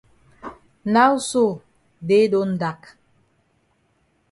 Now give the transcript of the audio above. Now so day don dak.